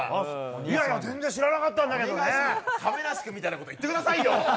いやいや、全然知らなかった亀梨君みたいなこと言ってくださいよ！